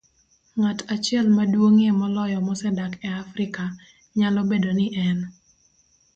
Ng'at achiel maduong'ie moloyo mosedak e Afrika, nyalo bedo ni en